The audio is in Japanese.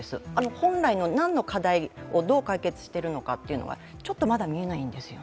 本来の何の課題をどう解決しているのかというのは、ちょっとまだ見えないんですよね。